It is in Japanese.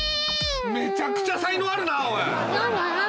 めちゃくちゃ才能あるな！